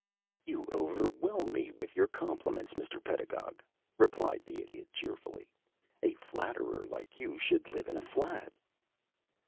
"You overwhelm me with your compliments, Mr. Pedagog," replied the Idiot, cheerfully. "A flatterer like you should live in a flat."